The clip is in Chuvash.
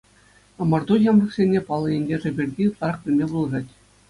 Ӑмӑрту ҫамрӑксене паллӑ ентешӗ пирки ытларах пӗлме пулӑшать.